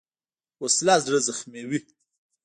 وسله زړه زخموي